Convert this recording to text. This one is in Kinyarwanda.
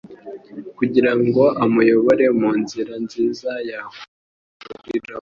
kugira ngo amuyobore mu nzira nziza yakuriramo.